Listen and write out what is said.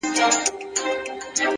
علم د تجربې نه لوړ ارزښت لري.